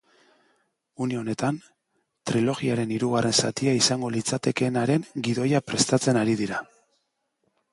Une honetan, trilogiaren hirugarren zatia izango litzatekeenaren gidoia prestatzen ari da.